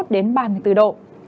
đến ba mươi bốn độ